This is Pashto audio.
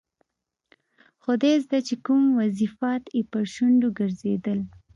خدایزده چې کوم وظیفات یې پر شونډو ګرځېدل.